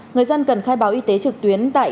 người dân cần khai báo y tế trực tuyến tại